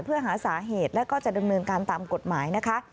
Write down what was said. เพื่อหาสาเหตุแล้วก็จะดำเนินการตามกฎหมายนะคะ